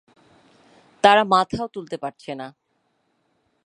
তারা মাথাও তুলতে পারছে না।